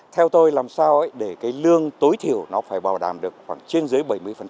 theo tôi làm sao để cái lương tối thiểu nó phải bảo đảm được khoảng trên dưới bảy mươi